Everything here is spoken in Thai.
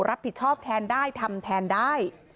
รับผิดชอบแทนได้ทำแทนได้